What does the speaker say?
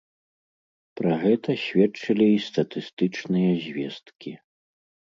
Пра гэта сведчылі і статыстычныя звесткі.